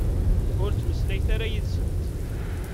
Ur ttmeslayet ara yid-sent.